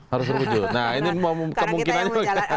harus terwujud nah ini kemungkinannya